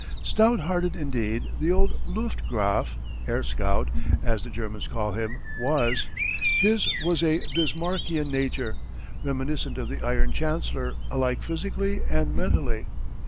Stout hearted indeed the old Luftgraaf "Air Scout" as the Germans call him, was. His was a Bismarckian nature, reminiscent of the Iron Chancellor alike physically and mentally.